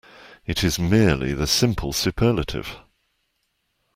It is merely the simple superlative.